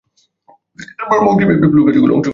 এরপর মুক্তি পেয়ে বিপ্লবী কার্যকলাপে অংশগ্রহণ করেন।